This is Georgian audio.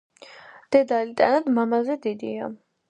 დედალი ტანად მამალზე დიდია.